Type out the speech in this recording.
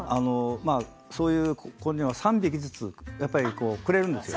そういう子には３匹ずつくれるんですよ。